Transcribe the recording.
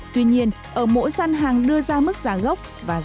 tuy nhiên ở mỗi sân hàng đưa ra mức giá gốc và giá trị